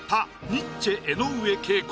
ニッチェ江上敬子。